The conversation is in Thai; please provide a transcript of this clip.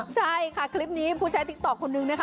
ใช่ค่ะคลิปนี้ผู้ใช้ติ๊กต๊อกคนนึงนะคะ